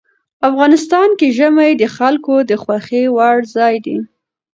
افغانستان کې ژمی د خلکو د خوښې وړ ځای دی.